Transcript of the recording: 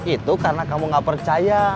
itu karena kamu gak percaya